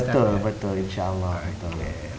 betul betul insya allah